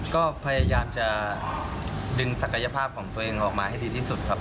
ก็พยายามจะดึงศักยภาพของตัวเองออกมาให้ดีที่สุดครับ